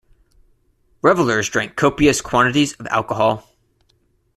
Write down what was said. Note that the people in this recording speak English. Revelers drank copious quantities of alcohol.